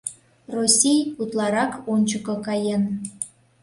Россий утларак ончыко каен.